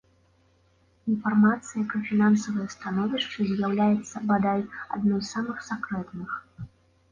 Інфармацыя пра фінансавае становішча з'яўляецца, бадай, адной з самых сакрэтных.